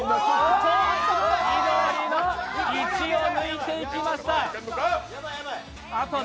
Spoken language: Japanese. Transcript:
緑の１を抜いていきました。